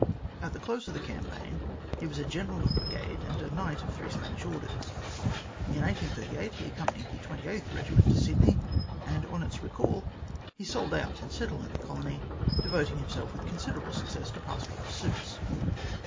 At the close of the campaign he was a General of Brigade, and a Knight of three Spanish orders. In 1838 he accompanied the 28th Eegiment to Sydney, and on its recall he sold out and settled in the colony, devoting himself with considerable success to pastoral pursuits.